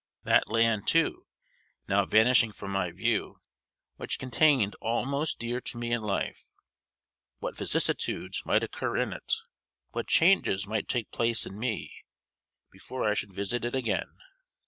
That land, too, now vanishing from my view, which contained all most dear to me in life; what vicissitudes might occur in it what changes might take place in me, before I should visit it again!